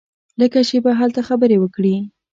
لږه شېبه هلته خبرې وکړې.